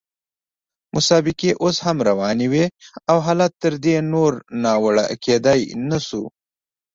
مسابقې اوس هم روانې وې او حالت تر دې نور ناوړه کېدای نه شو.